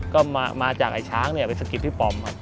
ก็มาจากไอ้ช้างไปสกิสพี่พิเอกเอกครับ